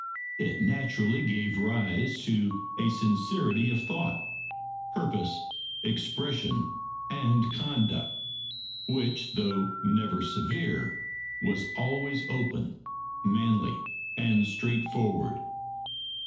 It naturally gave rise to a sincerity of thought, purpose, expression and conduct, which, though never severe, was always open, manly, and straightforward.